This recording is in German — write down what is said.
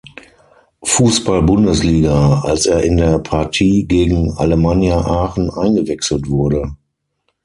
Fußball-Bundesliga, als er in der Partie gegen Alemannia Aachen eingewechselt wurde.